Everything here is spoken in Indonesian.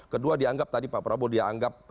kedua dianggap tadi pak prabowo dianggap